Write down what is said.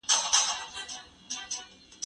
زه به سبا ليکنې وکړم!؟